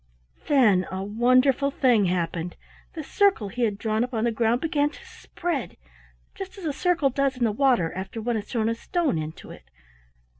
Then a wonderful thing happened. The circle he had drawn upon the ground began to spread, just as a circle does in the water after one has thrown a stone into it.